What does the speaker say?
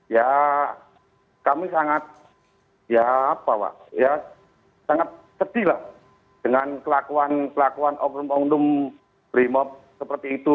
ya kami sangat ya apa pak ya sangat sedih lah dengan kelakuan kelakuan oknum oknum brimop seperti itu